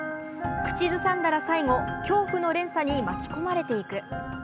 口ずさんだら最後、恐怖の連鎖に巻き込まれていく。